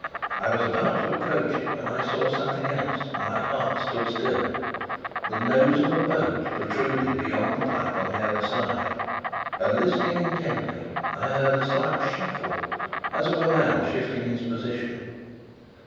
I was about to approach it, when I saw something else, and my heart stood still. The nose of a boat protruded beyond the pipe on the other side; and listening intently, I heard a slight shuffle as of a man shifting his position.